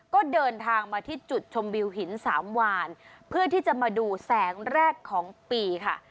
ก็เดินทางมาที่จุดชมวิวหินสามวานเพื่อที่จะมาดูแสงแรกของปีค่ะ